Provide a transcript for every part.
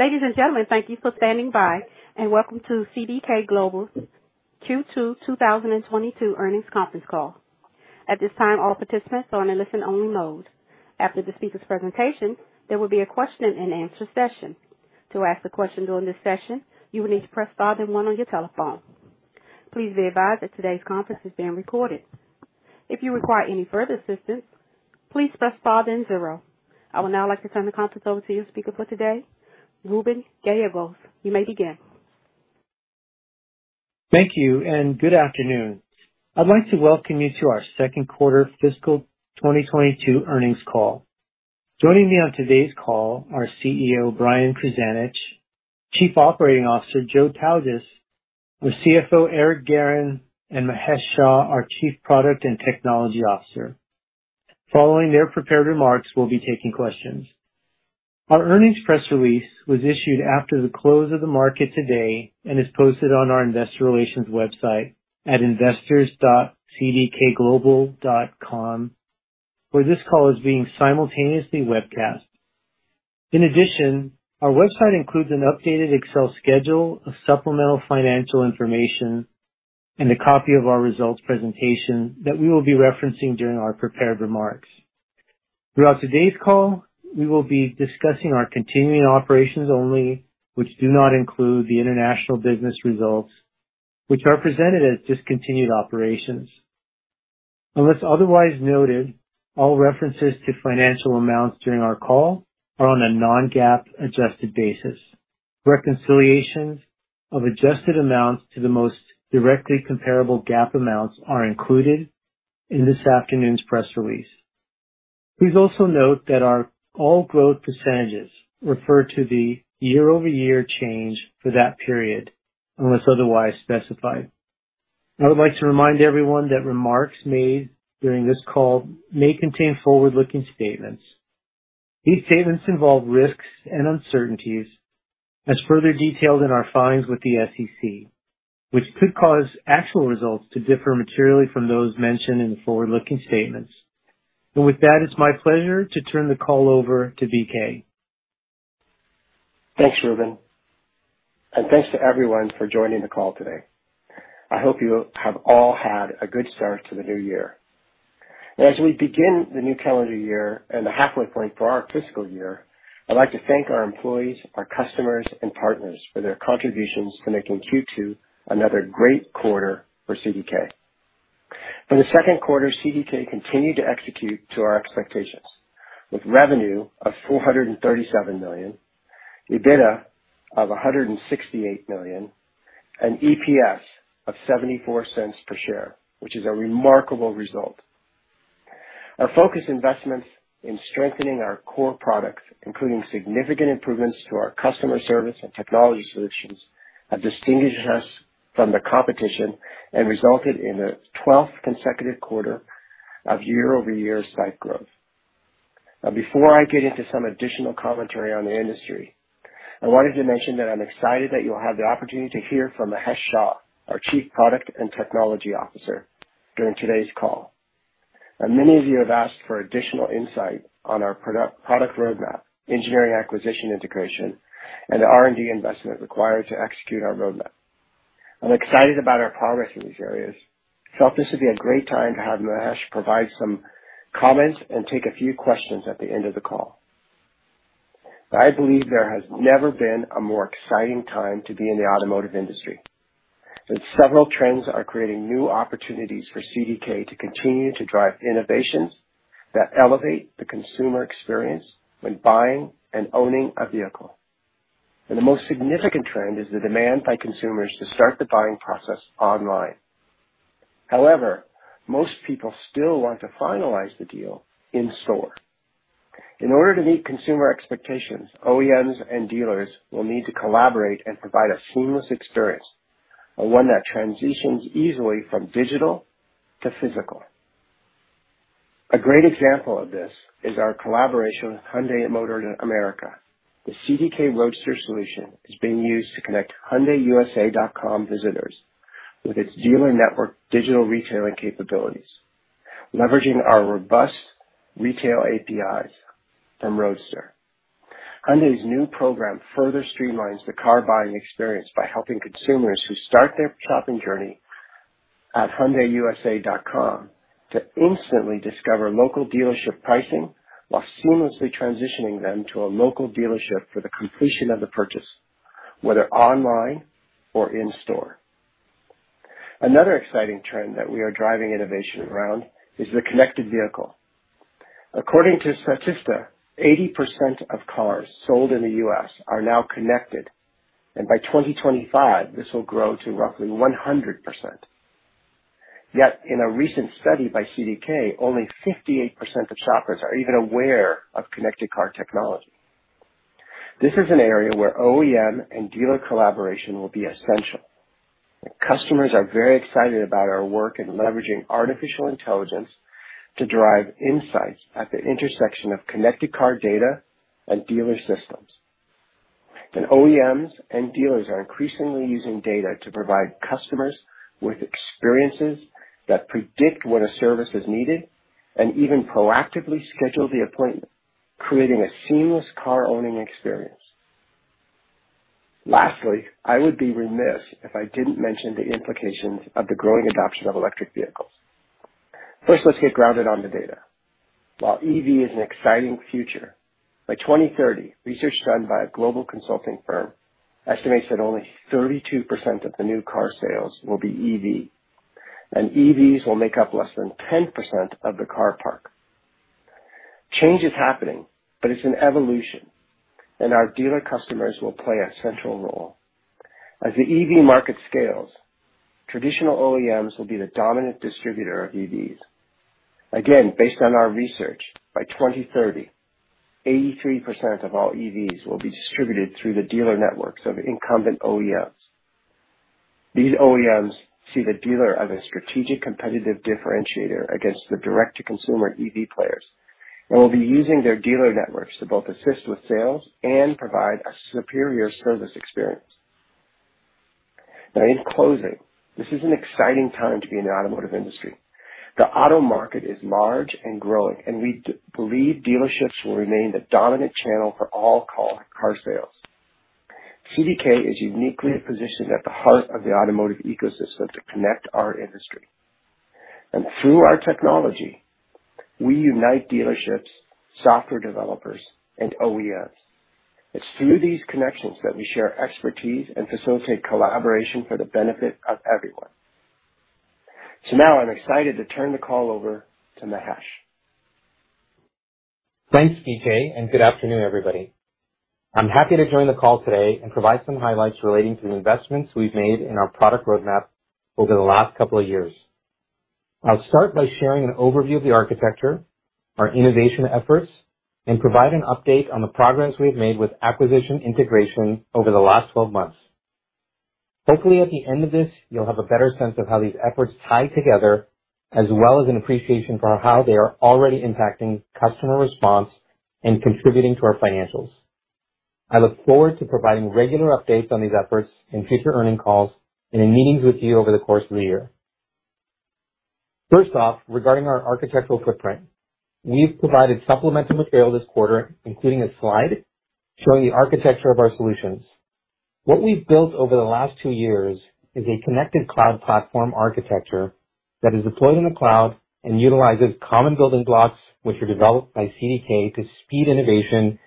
Ladies and gentlemen, thank you for standing by, and welcome to CDK Global's Q2, 2022 Earnings Conference Call. At this time, all participants are in listen-only mode. After the speaker's presentation, there will be a question and answer session. To ask a question during this session, you will need to press star then one on your telephone. Please be advised that today's conference is being recorded. If you require any further assistance, please press star then zero. I would now like to turn the conference over to your speaker for today, Reuben Gallegos. You may begin. Thank you and good afternoon. I'd like to welcome you to our second quarter fiscal 2022 earnings call. Joining me on today's call are CEO Brian Krzanich, Chief Operating Officer Joe Tautges, CFO Eric Guerin, and Mahesh Shah, our Chief Product and Technology Officer. Following their prepared remarks, we'll be taking questions. Our earnings press release was issued after the close of the market today and is posted on our investor relations website at investors.cdkglobal.com, where this call is being simultaneously webcast. In addition, our website includes an updated Excel schedule of supplemental financial information and a copy of our results presentation that we will be referencing during our prepared remarks. Throughout today's call, we will be discussing our continuing operations only which do not include the international business results, which are presented as discontinued operations. Unless otherwise noted, all references to financial amounts during our call are on a non-GAAP adjusted basis. Reconciliations of adjusted amounts to the most directly comparable GAAP amounts are included in this afternoon's press release. Please also note that all our growth percentages refer to the year-over-year change for that period, unless otherwise specified. I would like to remind everyone that remarks made during this call may contain forward-looking statements. These statements involve risks and uncertainties as further detailed in our filings with the SEC which could cause actual results to differ materially from those mentioned in the forward-looking statements. With that, it's my pleasure to turn the call over to BK. Thanks, Reuben, and thanks to everyone for joining the call today. I hope you have all had a good start to the new year. As we begin the new calendar year and the halfway point for our fiscal year, I'd like to thank our employees, our customers and partners for their contributions to making Q2 another great quarter for CDK. For the second quarter, CDK continued to execute to our expectations with revenue of $437 million, EBITDA of $168 million, and EPS of $0.74 per share which is a remarkable result. Our focus investments in strengthening our core products including significant improvements to our customer service and technology solutions, have distinguished us from the competition and resulted in a 12th consecutive quarter of year-over-year site growth. Now, before I get into some additional commentary on the industry, I wanted to mention that I'm excited that you'll have the opportunity to hear from Mahesh Shah, our Chief Product and Technology Officer, during today's call. Many of you have asked for additional insight on our product roadmap, engineering acquisition integration and the R&D investment required to execute our roadmap. I'm excited about our progress in these areas so this would be a great time to have Mahesh provide some comments and take a few questions at the end of the call. I believe there has never been a more exciting time to be in the automotive industry and several trends are creating new opportunities for CDK to continue to drive innovations that elevate the consumer experience when buying and owning a vehicle. The most significant trend is the demand by consumers to start the buying process online. However, most people still want to finalize the deal in store. In order to meet consumer expectations, OEMs and dealers will need to collaborate and provide a seamless experience and one that transitions easily from digital to physical. A great example of this is our collaboration with Hyundai Motor America. The CDK Roadster solution is being used to connect hyundaiusa.com visitors with its dealer network digital retailing capabilities, leveraging our robust retail APIs and Roadster. Hyundai's new program further streamlines the car buying experience by helping consumers who start their shopping journey at hyundaiusa.com to instantly discover local dealership pricing while seamlessly transitioning them to a local dealership for the completion of the purchase whether online or in store. Another exciting trend that we are driving innovation around is the connected vehicle. According to Statista, 80% of cars sold in the U.S. are now connected and by 2025 this will grow to roughly 100%. Yet in a recent study by CDK, only 58% of shoppers are even aware of connected car technology. This is an area where OEM and dealer collaboration will be essential. Customers are very excited about our work in leveraging artificial intelligence to derive insights at the intersection of connected car data and dealer systems. OEMs and dealers are increasingly using data to provide customers with experiences that predict when a service is needed and even proactively schedule the appointment, creating a seamless car-owning experience. Lastly, I would be remiss if I didn't mention the implications of the growing adoption of electric vehicles. First, let's get grounded on the data. While EV is an exciting future, by 2030, research done by a global consulting firm estimates that only 32% of the new car sales will be EV, and EVs will make up less than 10% of the car park. Change is happening but it's an evolution, and our dealer customers will play a central role. As the EV market scales, traditional OEMs will be the dominant distributor of EVs. Again, based on our research by 2030, 83% of all EVs will be distributed through the dealer networks of incumbent OEMs. These OEMs see the dealer as a strategic competitive differentiator against the direct-to-consumer EV players and will be using their dealer networks to both assist with sales and provide a superior service experience. Now in closing, this is an exciting time to be in the automotive industry. The auto market is large and growing, and we believe dealerships will remain the dominant channel for all car sales. CDK is uniquely positioned at the heart of the automotive ecosystem to connect our industry. Through our technology, we unite dealerships, software developers and OEMs. It's through these connections that we share expertise and facilitate collaboration for the benefit of everyone. Now I'm excited to turn the call over to Mahesh. Thanks, BK, and good afternoon, everybody. I'm happy to join the call today and provide some highlights relating to the investments we've made in our product roadmap over the last couple of years. I'll start by sharing an overview of the architecture, our innovation efforts and provide an update on the progress we have made with acquisition integration over the last 12 months. Hopefully, at the end of this, you'll have a better sense of how these efforts tie together, as well as an appreciation for how they are already impacting customer response and contributing to our financials. I look forward to providing regular updates on these efforts in future earnings calls and in meetings with you over the course of the year. First off, regarding our architectural footprint, we've provided supplemental material this quarter including a slide showing the architecture of our solutions. What we've built over the last two years is a connected cloud platform architecture that is deployed in the cloud and utilizes common building blocks, which are developed by CDK to speed innovation,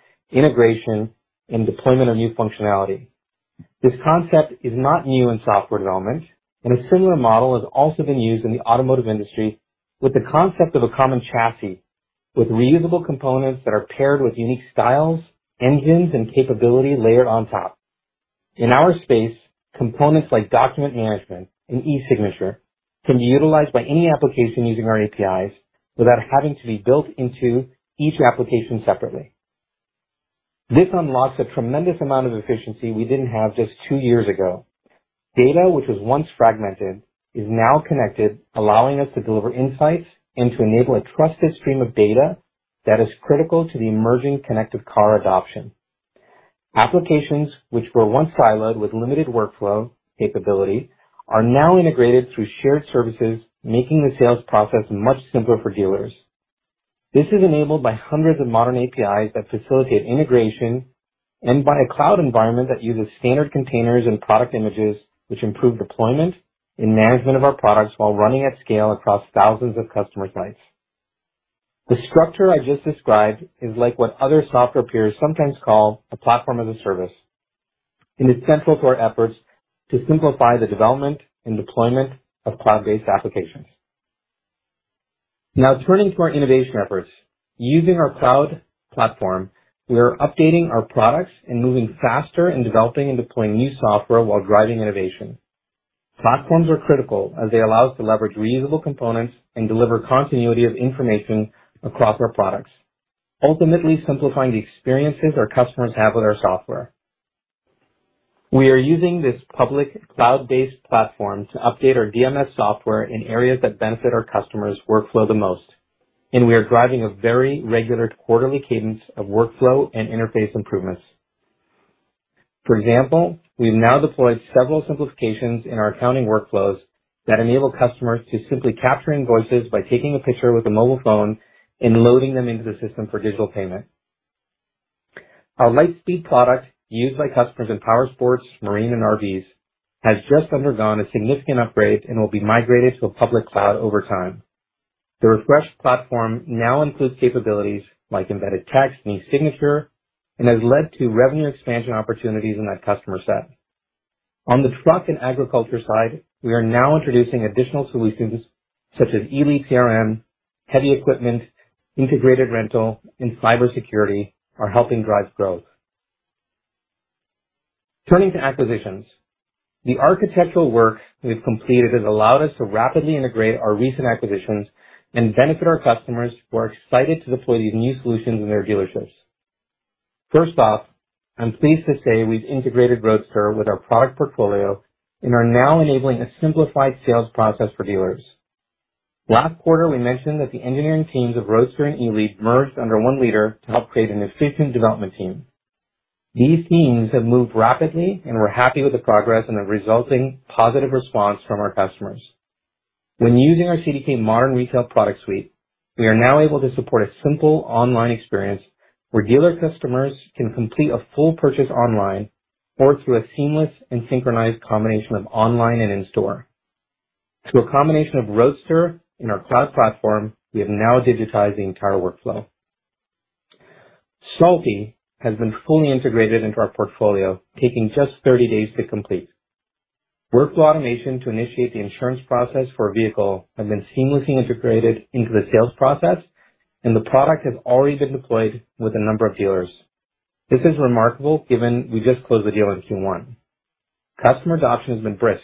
integration and deployment of new functionality. This concept is not new in software development and a similar model has also been used in the automotive industry with the concept of a common chassis with reusable components that are paired with unique styles, engines, and capability layered on top. In our space, components like document management and e-signature can be utilized by any application using our APIs without having to be built into each application separately. This unlocks a tremendous amount of efficiency we didn't have just two years ago. Data which was once fragmented is now connected, allowing us to deliver insights and to enable a trusted stream of data that is critical to the emerging connected car adoption. Applications which were once siloed with limited workflow capability are now integrated through shared services, making the sales process much simpler for dealers. This is enabled by hundreds of modern APIs that facilitate integration and by a cloud environment that uses standard containers and product images which improve deployment and management of our products while running at scale across thousands of customer sites. The structure I just described is like what other software peers sometimes call a Platform as a Service, and it's central to our efforts to simplify the development and deployment of cloud-based applications. Now turning to our innovation efforts. Using our cloud platform, we are updating our products and moving faster in developing and deploying new software while driving innovation. Platforms are critical as they allow us to leverage reusable components and deliver continuity of information across our products, ultimately simplifying the experiences our customers have with our software. We are using this public cloud-based platform to update our DMS software in areas that benefit our customers' workflow the most and we are driving a very regular quarterly cadence of workflow and interface improvements. For example, we've now deployed several simplifications in our accounting workflows that enable customers to simply capture invoices by taking a picture with a mobile phone and loading them into the system for digital payment. Our Lightspeed product used by customers in powersports, marine, and RVs, has just undergone a significant upgrade and will be migrated to a public cloud over time. The refreshed platform now includes capabilities like embedded tax and e-signature and has led to revenue expansion opportunities in that customer set. On the truck and agriculture side, we are now introducing additional solutions such as Elead CRM, heavy equipment, integrated rental and cybersecurity are helping drive growth. Turning to acquisitions. The architectural work we've completed has allowed us to rapidly integrate our recent acquisitions and benefit our customers who are excited to deploy these new solutions in their dealerships. First off, I'm pleased to say we've integrated Roadster with our product portfolio and are now enabling a simplified sales process for dealers. Last quarter, we mentioned that the engineering teams of Roadster and Elead merged under one leader to help create an efficient development team. These themes have moved rapidly and we're happy with the progress and the resulting positive response from our customers. When using our CDK Modern Retail Suite, we are now able to support a simple online experience where dealer customers can complete a full purchase online or through a seamless and synchronized combination of online and in-store. Through a combination of Roadster and our cloud platform, we have now digitized the entire workflow. Salty has been fully integrated into our portfolio, taking just 30 days to complete. Workflow automation to initiate the insurance process for a vehicle has been seamlessly integrated into the sales process and the product has already been deployed with a number of dealers. This is remarkable given we just closed the deal in Q1. Customer adoption has been brisk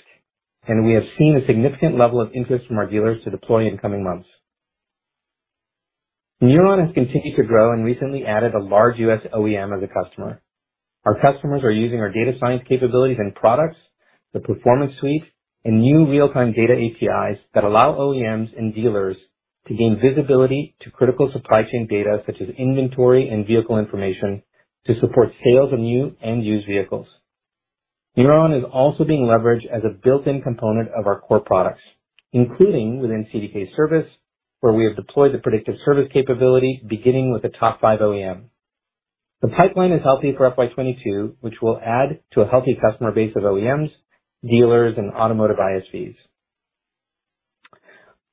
and we have seen a significant level of interest from our dealers to deploy in coming months. Neuron has continued to grow and recently added a large U.S. OEM as a customer. Our customers are using our data science capabilities and products, the Performance Suite, and new real-time data APIs that allow OEMs and dealers to gain visibility to critical supply chain data such as inventory and vehicle information, to support sales of new and used vehicles. Neuron is also being leveraged as a built-in component of our core products including within CDK Service, where we have deployed the predictive service capability beginning with the top five OEM. The pipeline is healthy for FY 2022, which will add to a healthy customer base of OEMs, dealers, and automotive ISVs.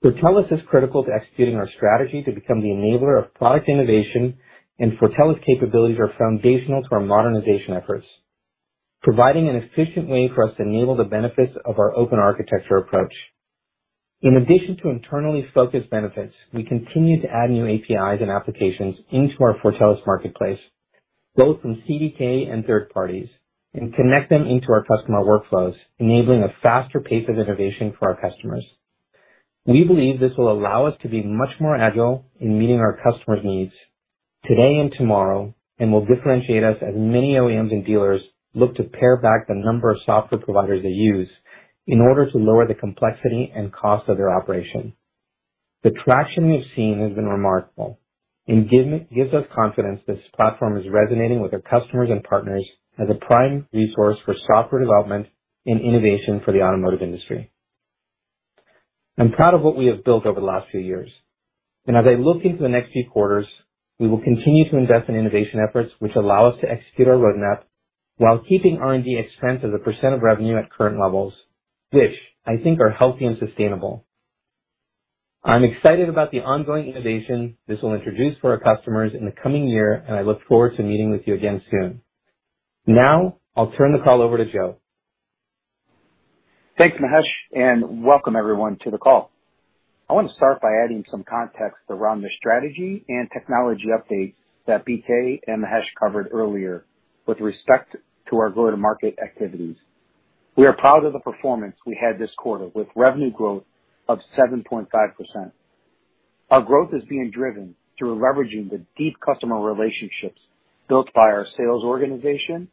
Fortellis is critical to executing our strategy to become the enabler of product innovation and Fortellis capabilities are foundational to our modernization efforts, providing an efficient way for us to enable the benefits of our open architecture approach. In addition to internally focused benefits, we continue to add new APIs and applications into our Fortellis marketplace both from CDK and third parties and connect them into our customer workflows, enabling a faster pace of innovation for our customers. We believe this will allow us to be much more agile in meeting our customers' needs today and tomorrow and will differentiate us as many OEMs and dealers look to pare back the number of software providers they use in order to lower the complexity and cost of their operation. The traction we've seen has been remarkable and gives us confidence this platform is resonating with our customers and partners as a prime resource for software development and innovation for the automotive industry. I'm proud of what we have built over the last few years. As I look into the next few quarters, we will continue to invest in innovation efforts which allow us to execute our roadmap while keeping R&D expense as a percent of revenue at current levels which I think are healthy and sustainable. I'm excited about the ongoing innovation this will introduce for our customers in the coming year, and I look forward to meeting with you again soon. Now, I'll turn the call over to Joe. Thanks, Mahesh, and welcome everyone to the call. I want to start by adding some context around the strategy and technology update that BK and Mahesh covered earlier with respect to our go-to-market activities. We are proud of the performance we had this quarter, with revenue growth of 7.5%. Our growth is being driven through leveraging the deep customer relationships built by our sales organization.